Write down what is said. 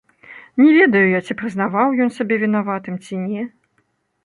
Не ведаю я, ці прызнаваў ён сябе вінаватым ці не.